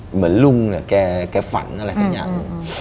เหมือนลุงเนี่ยแกฝันอะไรทั้งอย่าง